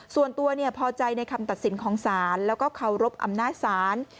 ส่วนตัวพอใจในคำตัดสินของศาลแล้วก็เคารพอำนาจศาล